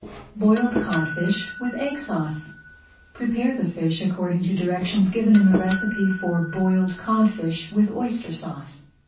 BOILED CODFISH WITH EGG SAUCE Prepare the fish according to directions given in the recipe for Boiled Codfish with Oyster Sauce.